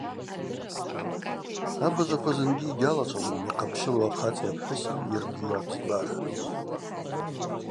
Абазаква зынгьи йгьалачважвум йхъапщылу ахъацӏи апхӏвыси йырбжьу абзибара.